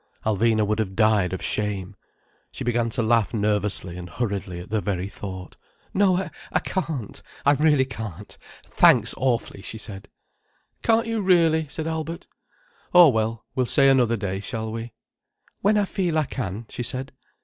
Alvina would have died of shame. She began to laugh nervously and hurriedly at the very thought. "No, I can't. I really can't. Thanks, awfully," she said. "Can't you really!" said Albert. "Oh well, we'll say another day, shall we?" "When I feel I can," she said.